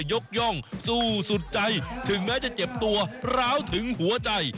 ยกย่องสู้สุดใจถึงแม้จะเจ็บตัวร้าวถึงหัวใจ